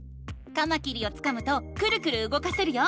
カマキリをつかむとクルクルうごかせるよ。